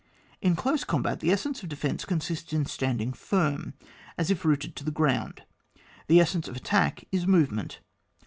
In close combat the essence of defence consists in standing firm, as if rooted to the ground; the essence of the attack is movement.